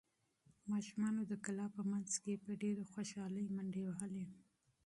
ماشومانو د کلا په منځ کې په ډېرې خوشحالۍ منډې وهلې.